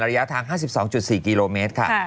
ระยะทาง๕๒๔กิโลเมตรค่ะ